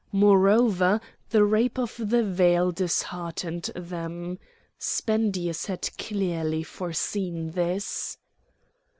Moreover the rape of the veil disheartened them. Spendius had clearly foreseen this.